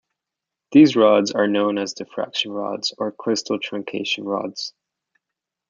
These rods are known as diffraction rods, or crystal truncation rods.